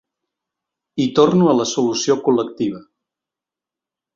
I torno a la solució col·lectiva.